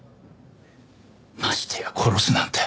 ましてや殺すなんて。